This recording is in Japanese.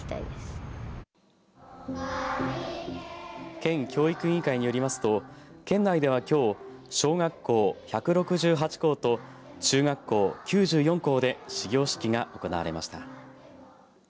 県教育委員会によりますと県内では、きょう小学校１６８校と中学校９４校で始業式が行われました。